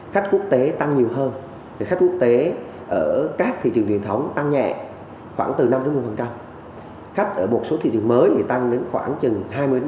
khách quốc tế tăng nhiều hơn thì khách quốc tế ở các thị trường điện thống tăng nhẹ khoảng từ năm mươi khách ở một số thị trường mới thì tăng đến khoảng chừng hai mươi ba mươi